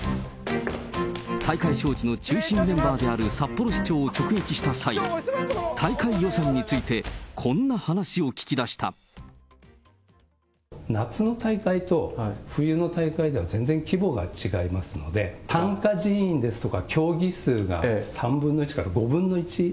大会招致の中心メンバーである札幌市長を直撃した際、大会予算について、夏の大会と、冬の大会では全然規模が違いますので、参加人員ですとか、競技数が３分の１から５分の１。